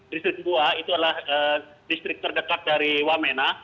distrik dua itu adalah distrik terdekat dari wamena